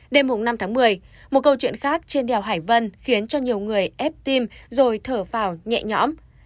đêm năm tháng một mươi một câu chuyện khác trên đèo hải vân khiến cho nhiều người ép tim rồi thở vào nhẹ nhõm